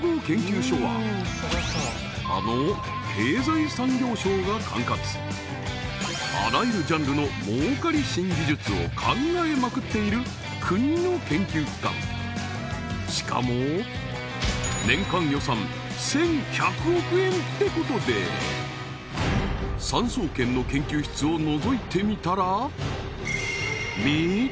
あの経済産業省が管轄あらゆるジャンルの儲かり新技術を考えまくっている国の研究機関しかも年間予算１１００億円ってことでめちゃくちゃ熱いのに触れる？